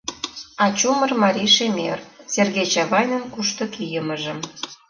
А чумыр марий шемер — Сергей Чавайнын кушто кийымыжым.